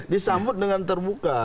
disambut dengan terbuka